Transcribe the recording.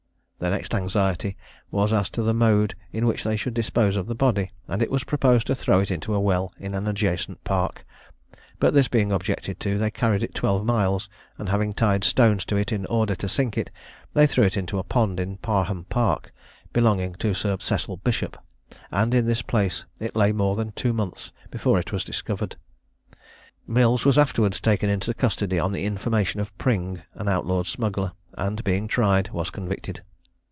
Their next anxiety was as to the mode in which they should dispose of the body, and it was proposed to throw it into a well in an adjacent park; but this being objected to, they carried it twelve miles, and having tied stones to it in order to sink it, they threw it into a pond in Parham Park, belonging to Sir Cecil Bishop; and in this place it lay more than two months before it was discovered. Mills was afterwards taken into custody on the information of Pring, an outlawed smuggler, and being tried, was convicted.